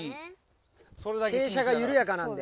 傾斜が緩やかなんで。